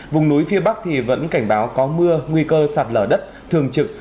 vùng núi phía bắc vẫn cảnh báo có mưa nguy cơ sạt lở đất thường trực